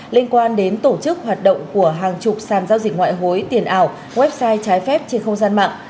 liên quan đến tổ chức hoạt động của hàng chục sàn giao dịch ngoại hối tiền ảo website trái phép trên không gian mạng